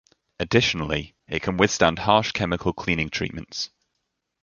Additionally, it can withstand harsh chemical cleaning treatments.